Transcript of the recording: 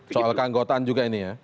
soal keanggotaan juga ini ya